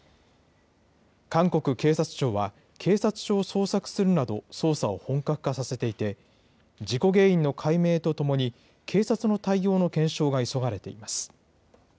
韓国警察庁は、警察署を捜索するなど捜査を本格化させていて、事故原因の解明とともに、警察の対応の検証が急がれています。